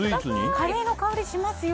カレーの香りしますよ。